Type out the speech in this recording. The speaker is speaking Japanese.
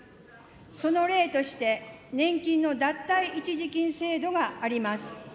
その例として、年金の脱退一時金制度があります。